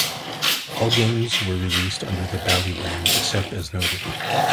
All games were released under the Bally brand, except as noted.